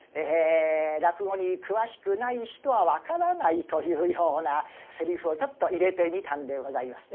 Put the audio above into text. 落語に詳しくない人は分からないというようなセリフをちょっと入れてみたんでございます。